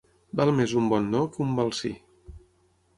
Val més un bon no, que un mal sí.